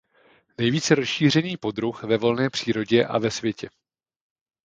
Nejvíce rozšířený poddruh ve volné přírodě a ve světě.